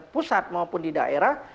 pusat maupun di daerah